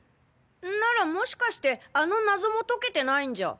ならもしかしてあの謎も解けてないんじゃ？